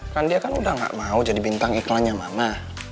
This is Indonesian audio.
kan dia kan udah gak mau jadi bintang iklannya mama